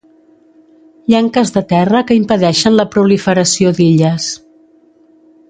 Llenques de terra que impedeixen la proliferació d'illes.